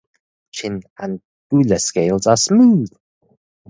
Chin and gular scales are smooth.